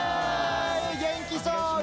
元気そう！